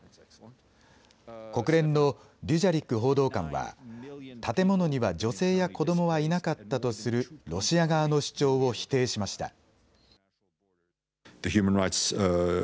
国連のデュジャリック報道官は建物には女性や子どもはいなかったとするロシア側の主張を否定しました。